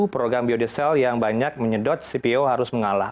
program biodiesel yang banyak menyedot cpo harus mengalah